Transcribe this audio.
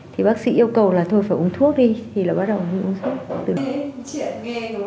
thì bác sĩ yêu cầu là thôi phải uống thuốc đi thì là bắt đầu đi uống sốt